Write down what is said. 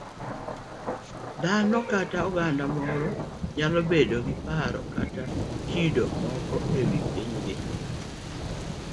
Dhano kata oganda moro nyalo bedo gi paro kata kido moko e wi pinygi.